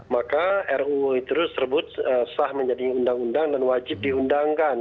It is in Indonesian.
maka ruu itu tersebut sah menjadi undang undang dan wajib diundangkan